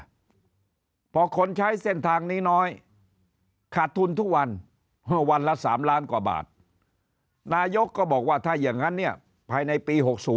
เพราะคนใช้เส้นทางนี้น้อยขาดทุนทุกวันวันละ๓ล้านกว่าบาทนายกก็บอกว่าถ้าอย่างนั้นเนี่ยภายในปี๖๐